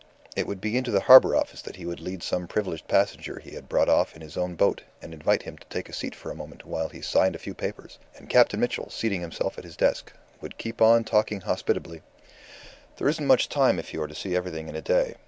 It would be into the Harbour Office that he would lead some privileged passenger he had brought off in his own boat, and invite him to take a seat for a moment while he signed a few papers. And Captain Mitchell, seating himself at his desk, would keep on talking hospitably "There isn't much time if you are to see everything in a day.